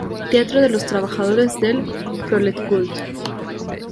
Teatro de los Trabajadores del "Proletkult".